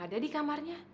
ada di kamarnya